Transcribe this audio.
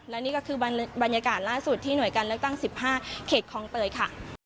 และนี่ก็คือบรรยากาศล่าสุดที่หน่วยการเลือกตั้ง๑๕เขตคลองเตยค่ะ